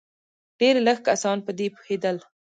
ډېر لږ کسان په دې پوهېدل.